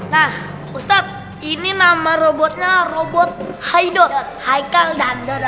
nah ustadz ini nama robotnya robot hidot haikal dan dona